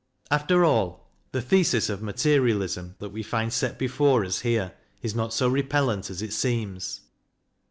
After all, the thesis of Materialism that we find set before us here is not so repellent as it seems.